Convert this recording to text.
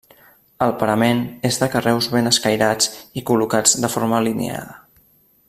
El parament és de carreus ben escairats i col·locats de forma alineada.